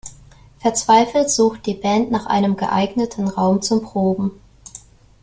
Verzweifelt sucht die Band nach einem geeigneten Raum zum Proben.